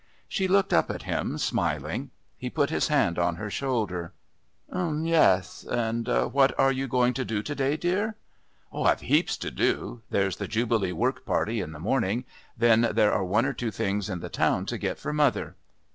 She looked up at him, smiling. He put his hand on her shoulder. "Um yes.... And what are you going to do to day, dear?" "I've heaps to do. There's the Jubilee work party in the morning. Then there are one or two things in the town to get for mother."